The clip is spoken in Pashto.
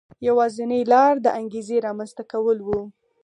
یوازینۍ لار د انګېزې رامنځته کول و.